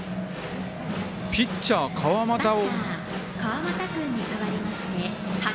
ピッチャー、川又を。